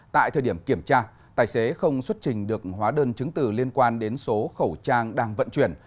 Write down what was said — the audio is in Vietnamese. tại thời điểm kiểm tra tài xế không xuất trình được hóa đơn chứng từ liên quan đến số khẩu trang đang vận chuyển